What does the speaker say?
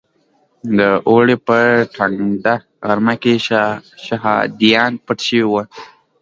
د اوړي په ټکنده غرمه کې شهادیان پټ شوي وو.